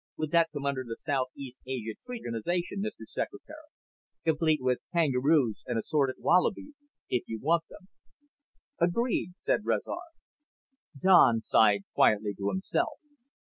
(Would that come under the South East Asia Treaty Organization, Mr. Secretary?) Complete with kangaroos and assorted wallabies, if you want them." "Agreed," said Rezar. Don sighed quietly to himself.